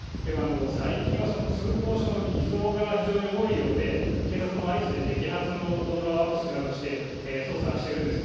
最近は通行証の偽造が非常に多いようで、警察も相次いで摘発の動画をアップするなどして、捜査をしているんです。